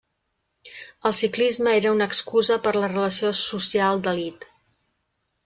El ciclisme era una excusa per la relació social d'elit.